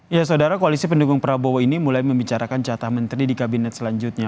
ya saudara koalisi pendukung prabowo ini mulai membicarakan jatah menteri di kabinet selanjutnya